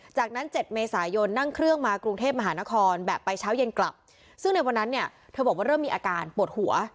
จากนั้น๗เมษายนนั่งเครื่องมากรุงเทพมหานครแบบไปเช้าเย็นกลับซึ่งในวันนั้นเนี่ยเธอบอกว่าเริ่มมีอาการปวดหัว